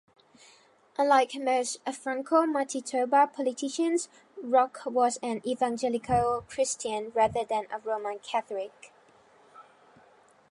Unlike most Franco-Manitoba politicians, Roch was an evangelical Christian rather than a Roman Catholic.